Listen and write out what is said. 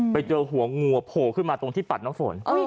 ไปเจอหัวงัวโผล่ขึ้นมาตรงที่ปัดน้ำฝน